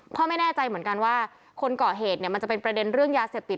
ไม่แน่ใจเหมือนกันว่าคนก่อเหตุเนี่ยมันจะเป็นประเด็นเรื่องยาเสพติด